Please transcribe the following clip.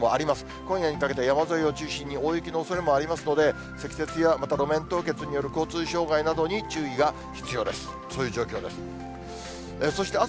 今夜にかけては山沿いを中心に大雪のおそれもありますので、積雪やまた路面凍結による交通障害などに注意が必要です。